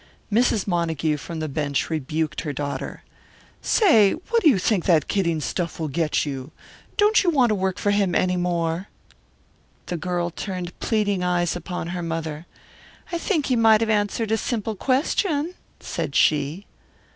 Mrs. Montague, from the bench, rebuked her daughter. "Say, what do you think that kidding stuff will get you? Don't you want to work for him any more?" The girl turned pleading eyes upon her mother. "I think he might have answered a simple question," said she.